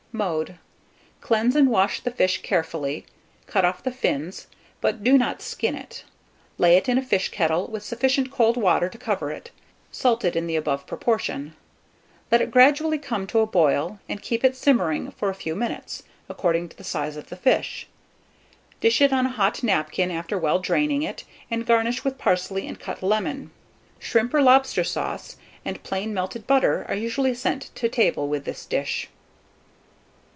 Mode. Cleanse and wash the fish carefully, cut off the fins, but do not skin it. Lay it in a fish kettle, with sufficient cold water to cover it, salted in the above proportion. Let it gradually come to a boil, and keep it simmering for a few minutes, according to the size of the fish. Dish it on a hot napkin after well draining it, and garnish with parsley and cut lemon. Shrimp, or lobster sauce, and plain melted butter, are usually sent to table with this dish.